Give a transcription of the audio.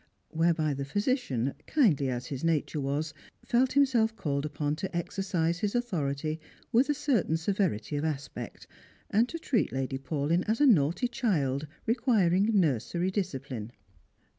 whereby the physician, kindly as his nature was, felt himself called upon to exercise his authority with a certain severity of aspect, and to treat Lady Paulyn as a naughty child requiring nursery discipline.